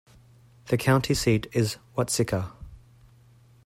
The county seat is Watseka.